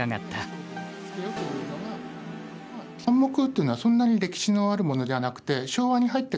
「半目」というのはそんなに歴史のあるものではなくて。